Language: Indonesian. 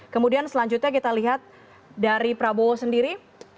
kemudian selanjutnya kita lihat dari prabowo sendiri